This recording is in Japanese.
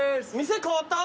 店変わった？